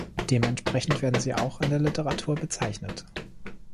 Dementsprechend werden sie auch in der Literatur bezeichnet.